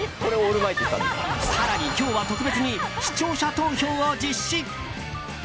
更に、今日は特別に視聴者投票を実施。